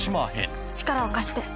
「力を貸して」